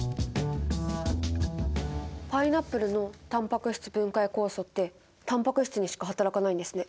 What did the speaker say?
パイナップルのタンパク質分解酵素ってタンパク質にしかはたらかないんですね。